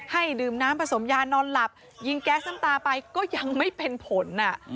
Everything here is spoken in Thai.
ให้ดื่มน้ำผสมยานอนหลับยิงแก๊สน้ำตาไปก็ยังไม่เป็นผล